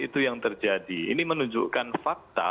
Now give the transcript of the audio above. itu yang terjadi ini menunjukkan fakta